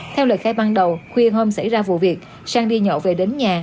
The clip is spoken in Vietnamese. theo lời khai ban đầu khuya hôm xảy ra vụ việc sang đi nhậu về đến nhà